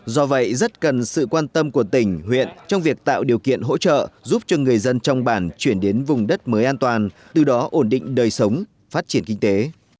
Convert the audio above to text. do vậy rất cần sự quan tâm của tỉnh huyện trong việc tạo điều kiện hỗ trợ giúp cho người dân trong bản chuyển đến vùng đất mới an toàn từ đó ổn định đời sống phát triển kinh tế